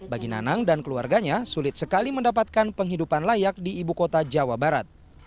bagi nanang dan keluarganya sulit sekali mendapatkan penghidupan layak di ibu kota jawa barat